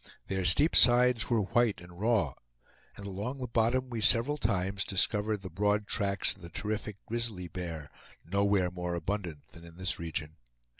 Their steep sides were white and raw, and along the bottom we several times discovered the broad tracks of the terrific grizzly bear, nowhere more abundant than in this region.